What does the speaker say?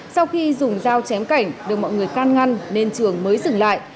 sau khi dùng dao chém cảnh được mọi người can ngăn nên trường mới dừng lại